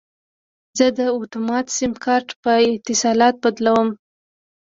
زه د اټوما سیم کارت په اتصالات بدلوم.